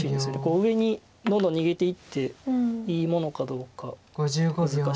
上にどんどん逃げていっていいものかどうか難しいので。